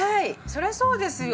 そりゃそうですよ！